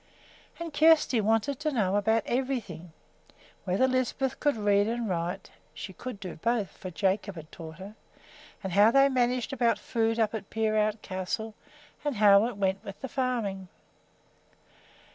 And Kjersti wanted to know about everything, whether Lisbeth could read and write (she could do both, for Jacob had taught her), and how they managed about food up at Peerout Castle, and how it went with the farming.